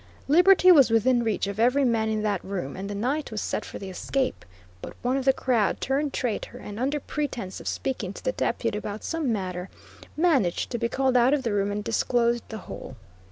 Liberty was within reach of every man in that room, and the night was set for the escape. But one of the crowd turned traitor, and, under pretence, of speaking to the Deputy about some matter, managed to be called out of the room and disclosed the whole.